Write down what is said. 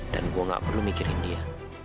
dan gue gak perlu mikirin dia